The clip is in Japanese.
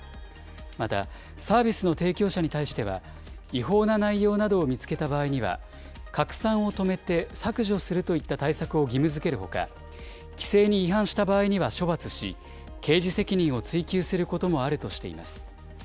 また、サービスの提供者に対しては、違法な内容などを見つけた場合には、拡散を止めて削除するといった対策を義務づけるほか、規制に違反した場合には処罰し、刑事責任を追及することもあるとしています。